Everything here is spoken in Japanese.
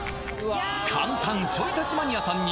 簡単ちょい足しマニアさんに